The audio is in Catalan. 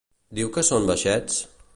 Diu que són baixets?